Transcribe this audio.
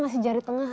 ngasih jari tengah